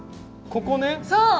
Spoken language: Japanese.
ここね。